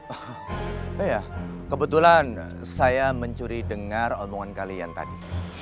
oh iya kebetulan saya mencuri dengar omongan kalian tadi